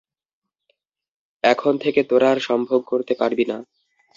এখন থেকে তোরা আর সম্ভোগ করতে পারবি না।